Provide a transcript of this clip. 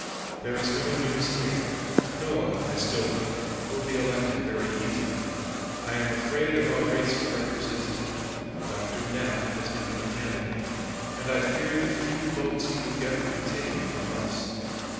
There is no news here. Noah, I still think, will be elected very easily. I am afraid of our race for representative. Dr. Knapp has become a candidate; and I fear the few votes he will get will be taken from us.